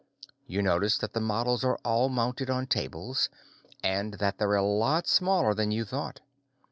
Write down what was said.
You notice that the models are all mounted on tables and that they're a lot smaller than you thought.